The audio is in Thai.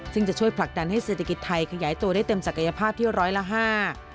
ซึ่งจะช่วยผลักดันให้เศรษฐกิจไทยขยายตัวได้เต็มศักยภาพที่ร้อยละห้า